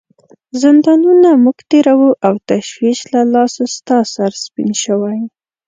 زندانونه موږ تیروو او تشویش له لاسه ستا سر سپین شوی.